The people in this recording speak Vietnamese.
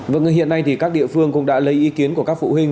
vâng hiện nay thì các địa phương cũng đã lấy ý kiến của các phụ huynh